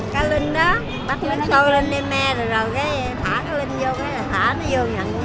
cá linh đó bắt nước sôi lên nêm me rồi rồi thả cái linh vô thả nó vô nhặt xuống